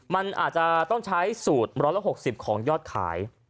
มันอาจจะต้องใช้สูตร๑๖๐ของยอดขาย